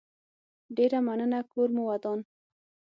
ډيره مننه کور مو ودان